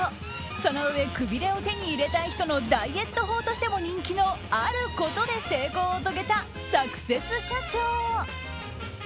そのうえくびれを手に入れたい人のダイエット法としても人気のあることで成功を遂げたサクセス社長。